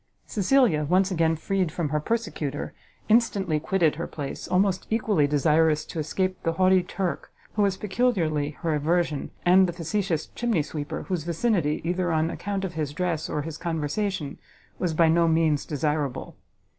Cecilia, once again freed from her persecutor, instantly quitted her place, almost equally desirous to escape the haughty Turk, who was peculiarly her aversion, and the facetious chimney sweeper, whose vicinity, either on account of his dress or his conversation, was by no means desirable.